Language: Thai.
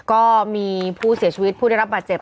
ก็มีผู้เสียชีวิตผู้ได้รับบาดเจ็บ